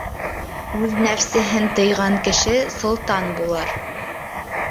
Үҙ нәпсеһен тыйған кеше солтан булыр.